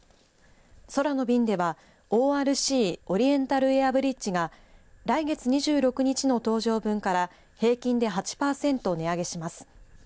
空の便では、ＯＲＣオリエンタルエアブリッジが来月２６日の搭乗分から平均で８パーセント値上げします。